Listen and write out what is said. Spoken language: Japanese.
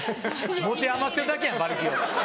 持て余してるだけやん馬力を。